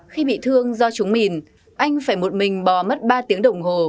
khi bị thương do trúng mìn anh phải một mình bò mất ba tiếng đồng hồ